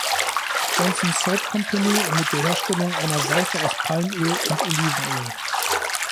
Johnson Soap Company" mit der Herstellung einer Seife aus Palmöl und Olivenöl.